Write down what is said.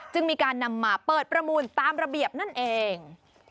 จึงมีการนำมาเปิดประมูลตามระเบียบนั่นเอง